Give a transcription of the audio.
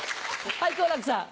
はい好楽さん。